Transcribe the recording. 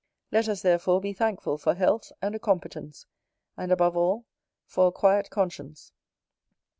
Let us, therefore, be thankful for health and a competence; and above all, for a quiet conscience.